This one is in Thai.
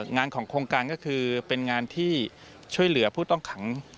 งานของโครงการก็คือเป็นงานที่ช่วยเหลือผู้ต้องขัง